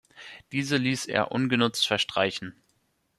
Diese ließ er ungenutzt verstreichen.